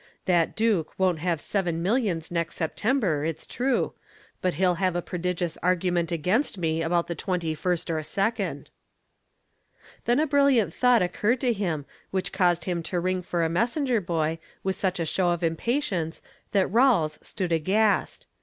That Duke won't have seven millions next September, it's true, but he'll have a prodigious argument against me, about the twenty first or second." Then a brilliant thought occurred to him which caused him to ring for a messenger boy with such a show of impatience that Rawles stood aghast.